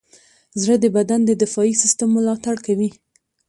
زړه د بدن د دفاعي سیستم ملاتړ کوي.